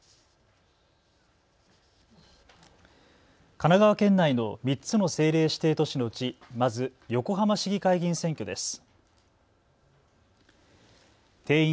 神奈川県内の３つの政令指定都市のうち、まず横浜市議会議員選挙です。